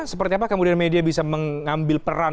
seperti apa kemudian media bisa mengambil peran